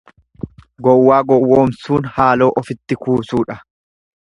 Gowwaa gowwomsuun haaloo ofitti kuusuudha.